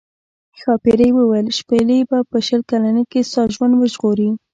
ښاپیرۍ وویل شپیلۍ به په شل کلنۍ کې ستا ژوند وژغوري.